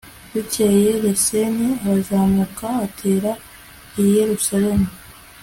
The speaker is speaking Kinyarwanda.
bukeye resini arazamuka atera i yerusalemu